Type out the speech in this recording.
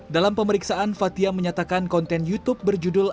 dalam pemeriksaan fathia menyatakan konten youtube berjudul